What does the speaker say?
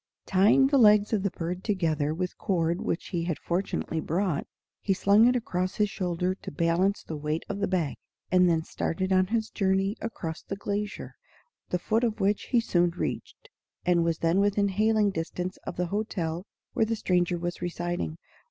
Tying the legs of the bird together with cord which he had fortunately brought, he slung it across his shoulder to balance the weight of the bag, and then started on his journey across the glacier, the foot of which he soon reached, and was then within hailing distance of the hotel where the stranger was residing.